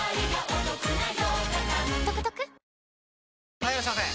・はいいらっしゃいませ！